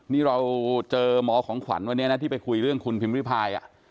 นี่เราเจอหมอของขวัญวันนี้ในเรื่องพิมพิพาย